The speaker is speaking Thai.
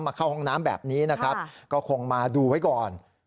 เข้าห้องน้ำแบบนี้นะครับก็คงมาดูไว้ก่อน